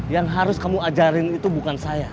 yang harus kamu ajarin itu bukan saya